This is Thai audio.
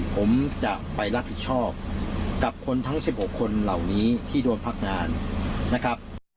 ผมจะไปรับผิดชอบกับคนทั้ง๑๖คนเหล่านี้ที่โดนพักงานนะครับ